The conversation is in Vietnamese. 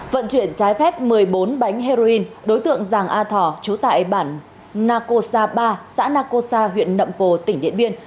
vận chuyển trái phép một mươi bốn bánh heroin đối tượng giàng a thỏ trú tại bản nako sa ba xã nako sa huyện nậm pồ tỉnh điện biên